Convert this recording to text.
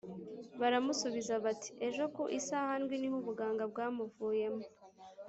. Baramusubuiza bati, “Ejo ku isaha ndwi, ni ho ubuganga bwamuvuyemo.